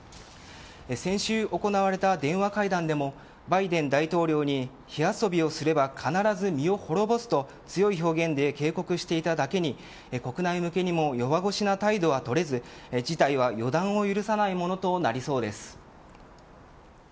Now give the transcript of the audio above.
先週、行われた電話会談でもバイデン大統領に火遊びをすれば必ず身を滅ぼすと強い表現で警告していただけに国内向けにも弱腰な態度は取れず事態は予断を許さないものとなりそうです。